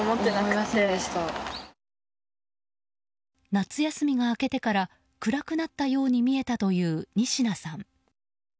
夏休みが明けてから暗くなったように見えたという仁科さん。